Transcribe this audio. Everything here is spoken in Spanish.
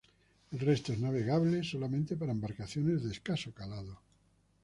El resto es navegable solamente para embarcaciones de escaso calado.